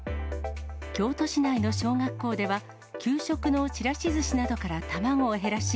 京都市内の小学校では、給食のちらしずしなどから卵を減らし、